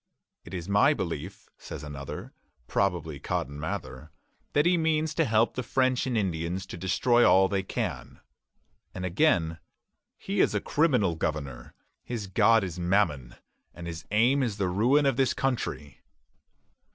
"It is my belief," says another, probably Cotton Mather, "that he means to help the French and Indians to destroy all they can." And again, "He is a criminal governour.... His God is Mammon, his aim is the ruin of his country."